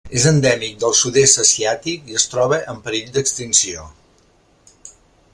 És endèmic del sud-est asiàtic i es troba en perill d'extinció.